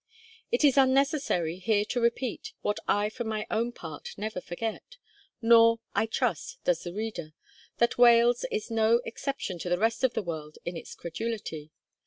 It is unnecessary here to repeat, what I for my own part never forget, nor, I trust, does the reader, that Wales is no exception to the rest of the world in its credulity.